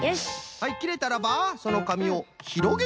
はいきれたらばそのかみをひろげてみましょう！